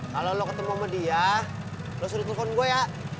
kalau lo ketemu sama dia lo suruh telpon gue ya